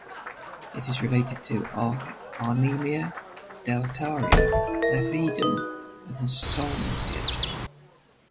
It is related to "Arnhemia", "Deltaria", "Lethedon" and "Solmsia".